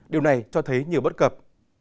điều này cho thấy nhiều bất cập